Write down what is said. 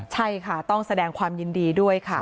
ใช่ค่ะต้องแสดงความยินดีด้วยค่ะ